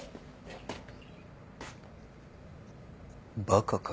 バカか。